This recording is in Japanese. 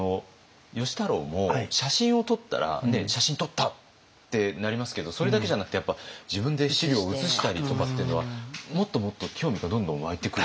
芳太郎も写真を撮ったら写真撮ったってなりますけどそれだけじゃなくて自分で資料を写したりとかっていうのはもっともっと興味がどんどん湧いてくる。